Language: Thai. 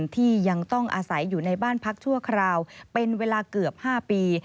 ที่ยังต้องอาศัยอยู่ในบ้านพักชั่วคราวเป็นเวลาเกือบ๕ปี